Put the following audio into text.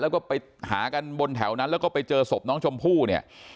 แล้วก็ไปหากันบนแถวนั้นแล้วก็ไปเจอศพน้องชมพู่เนี่ย